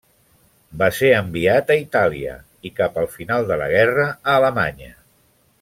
Va ser enviat a Itàlia, i cap al final de la guerra a Alemanya.